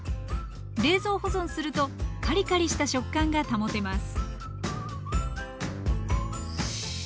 冷蔵保存するとカリカリした食感が保てます